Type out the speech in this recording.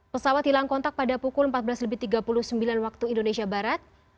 pesawat hilang kontak pada pukul empat belas lebih tiga puluh sembilan waktu indonesia barat